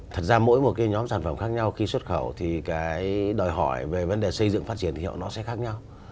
thật ra mỗi một cái nhóm sản phẩm khác nhau khi xuất khẩu thì cái đòi hỏi về vấn đề xây dựng phát triển thương hiệu nó sẽ khác nhau